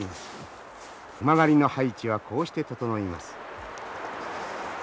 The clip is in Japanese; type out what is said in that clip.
熊狩りの配置はこうして整います。